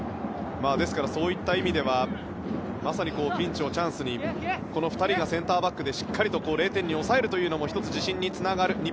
ですからそういった意味ではまさにピンチをチャンスにこの２人がセンターバックでしっかりと０点に抑えるというのも１つ、自信につながる。